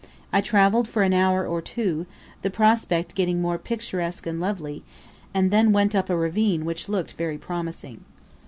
I travelled for an hour or two, the prospect getting more picturesque and lovely, and then went up a ravine which looked very promising.